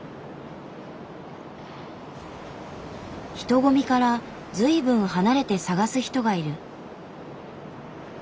人混みから随分離れて探す人がいる。